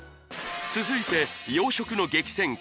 続いて洋食の激戦区